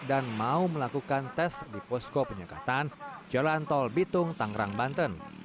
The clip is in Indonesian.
dan mau melakukan tes di posko penyekatan jalan tol bitung tangerang banten